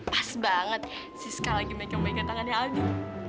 pas banget siska lagi megang megang tangan ya aldi